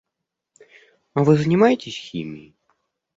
А вы занимаетесь химией?